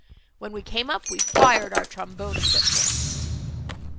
When we came up, we fired our tromboni, but missed."